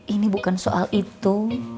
ini bukan soal itu